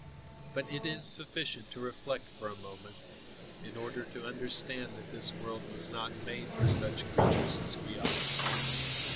"But it is sufficient to reflect for a moment, in order to understand that this world was not made for such creatures as we are.